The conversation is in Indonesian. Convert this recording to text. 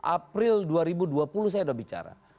april dua ribu dua puluh saya sudah bicara